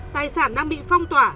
tài sản đang bị phong tỏa